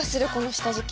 下敷き？